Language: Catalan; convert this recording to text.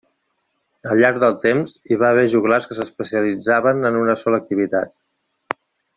Al llarg del temps, hi va haver joglars que s'especialitzaven en una sola activitat.